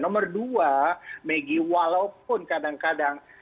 nomor dua maggie walaupun kadang kadang